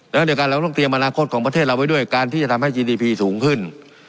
แล้วเดี๋ยวเราต้องเตรียมอนาคตของประเทศเราไว้ด้วยการที่จะทำให้จีดีพีสูงขึ้น